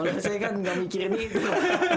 ya kalau saya kan nggak mikirin itu